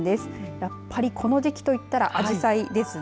やっぱり、この時期といったらアジサイですね。